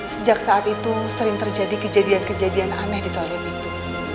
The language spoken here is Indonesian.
sejak saat itu sering terjadi kejadian kejadian aneh di toilet itu